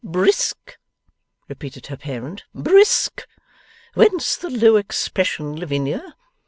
'Brisk?' repeated her parent, 'Brisk? Whence the low expression, Lavinia?